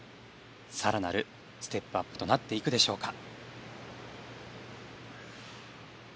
更なるステップアップとなっていくでしょうか。